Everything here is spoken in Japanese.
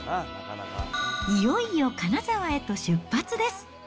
いよいよ金沢へと出発です。